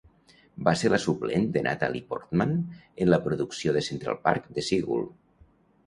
Va ser la suplent de Natalie Portman en la producció de Central Park "The Seagull".